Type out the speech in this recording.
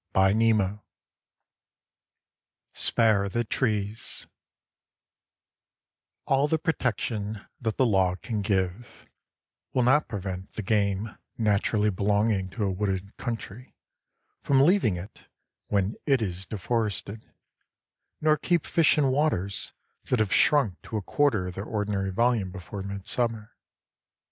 LVI SPARE THE TREES All the protection that the law can give will not prevent the game naturally belonging to a wooded country from leaving it when it is deforested, nor keep fish in waters that have shrunk to a quarter of their ordinary volume before midsummer.